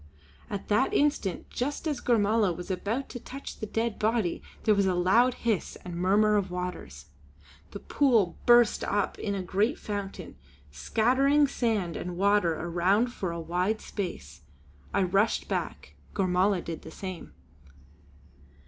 At that instant, just as Gormala was about to touch the dead body, there was a loud hiss and murmur of waters. The whole pool burst up in a great fountain, scattering sand and water around for a wide space. I rushed back; Gormala did the same.